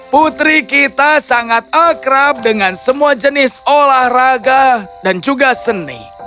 putri kita sangat akrab dengan semua jenis olahraga dan juga seni